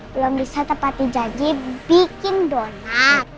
belum bisa tepatin janji bikin donat